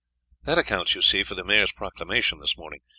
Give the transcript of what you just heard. "That accounts, you see, for the Maire's proclamation this morning.